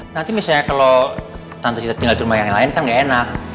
nanti misalnya kalau tante kita tinggal di rumah yang lain kan nggak enak